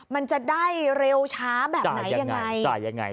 มันจะได้เร็วช้าแบบไหนยังไง